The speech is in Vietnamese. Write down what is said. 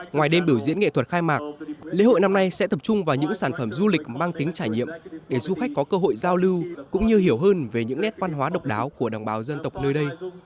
ngoài đêm biểu diễn nghệ thuật khai mạc lễ hội năm nay sẽ tập trung vào những sản phẩm du lịch mang tính trải nghiệm để du khách có cơ hội giao lưu cũng như hiểu hơn về những nét văn hóa độc đáo của đồng bào dân tộc nơi đây